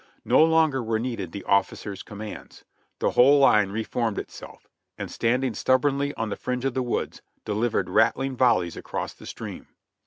No longer were needed the officers'^ commands. The whole line reformed itself, and standing stub bornly on the fringe of the woods delivered rattling volleys across the stream.